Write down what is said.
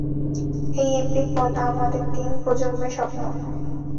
এই এমপি পদ আমাদের তিন প্রজন্মের স্বপ্ন।